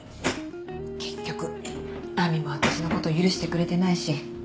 結局亜美も私のこと許してくれてないし。